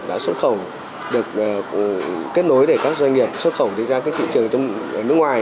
đã xuất khẩu được kết nối để các doanh nghiệp xuất khẩu ra các thị trường nước ngoài